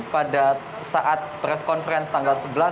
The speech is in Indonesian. pada saat press conference tanggal sebelas